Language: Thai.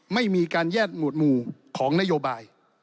ไม่มีการแยกหมวดหมู่ของนโยบาย